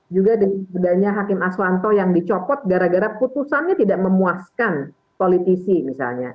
juga dengan bedanya hakim aswanto yang dicopot gara gara putusannya tidak memuaskan politisi misalnya